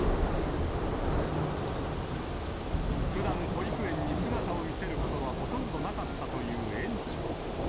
ふだん、保育園に姿を見せることはほとんどなかったという園長。